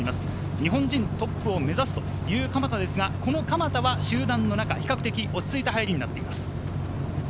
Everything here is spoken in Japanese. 日本人トップを目指すという鎌田ですが、鎌田は集団の中、比較的落ち着いた入りになっています。